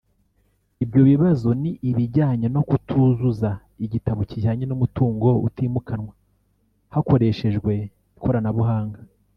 Ibyo bibazo ni ibijyanye no kutuzuza igitabo kijyanye n’umutungo utimukanwa hakoreshejwe ikoranabuhanga